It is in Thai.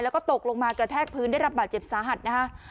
แล้วก็ตกลงมากระแทกพื้นได้รับบาดเจ็บสาหัสนะคะ